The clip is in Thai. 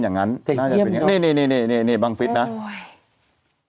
อย่างนั้นน่าจะเป็นอย่างนี้นี่นี่นี่บังฟิศนะโอ้ย